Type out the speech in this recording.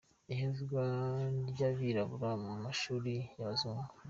Ihezwa ry’abirabura mu mashuri y’abazungu;.